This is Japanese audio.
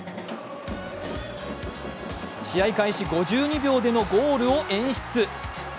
試合開始５２秒でのゴールを演出。